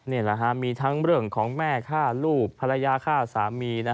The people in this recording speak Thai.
นี่แหละฮะมีทั้งเรื่องของแม่ฆ่าลูกภรรยาฆ่าสามี